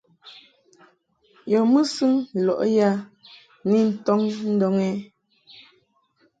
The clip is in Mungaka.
Yɔ mɨsɨŋ lɔʼ ya ni ntɔŋ ndɔŋ ɛ ?